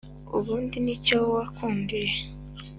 ubundi, ni cyo wakundiye